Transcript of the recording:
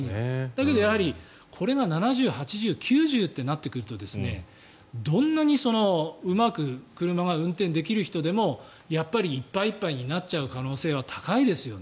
だけどこれが７０、８０、９０となってくるとどんなにうまく車が運転できる人でもやっぱりいっぱいいっぱいになっちゃう可能性は高いですよね。